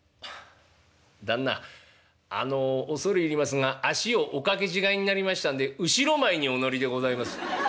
「旦那あの恐れ入りますが足をおかけ違いになりましたんで後ろ前にお乗りでございます」。